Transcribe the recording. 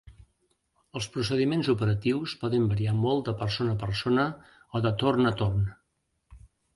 Els procediments operatius poden variar molt de persona a persona o de torn a torn.